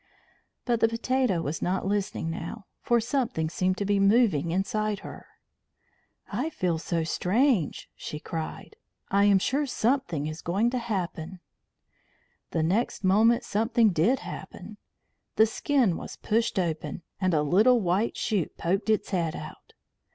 But the potato was not listening now, for something seemed to be moving inside her. "I feel so strange!" she cried. "I am sure something is going to happen." The next moment something did happen. The skin was pushed open, and a little white shoot poked its head out.